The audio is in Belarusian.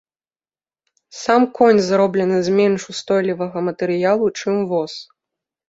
Сам конь зроблены з менш устойлівага матэрыялу, чым воз.